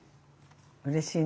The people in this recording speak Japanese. うれしいね。